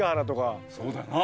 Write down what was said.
そうだな。